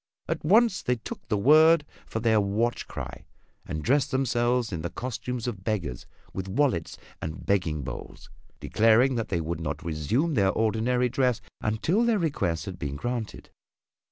At once they took the word for their watch cry and dressed themselves in the costume of beggars with wallets and begging bowls, declaring that they would not resume their ordinary dress until their requests had been granted.